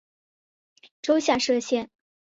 州下设县。